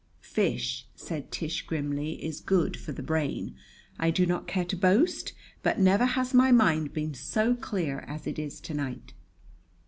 "Fish," said Tish grimly, "is good for the brain. I do not care to boast, but never has my mind been so clear as it is to night."